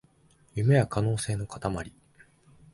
夢は可能性のかたまり